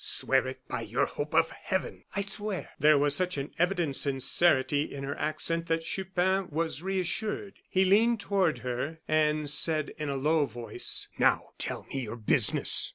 "Swear it by your hope of heaven." "I swear." There was such an evident sincerity in her accent that Chupin was reassured. He leaned toward her, and said, in a low voice: "Now tell me your business."